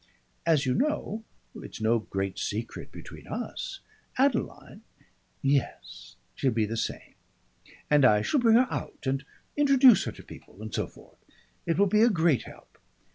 As you know it's no great secret between us Adeline Yes.... She'll be the same. And I shall bring her out and introduce her to people and so forth. It will be a great help.